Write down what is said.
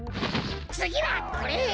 つぎはこれ！